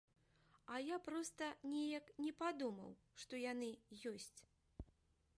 А я проста неяк не падумаў, што яны ёсць!